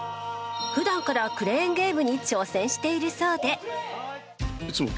普段からクレーンゲームに挑戦しているそうで。